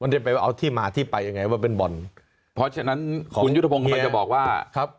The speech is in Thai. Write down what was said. ได้ไปว่าเอาที่มาที่ไปยังไงว่าเป็นบ่อนเพราะฉะนั้นคุณยุทธพงศ์กำลังจะบอกว่าครับ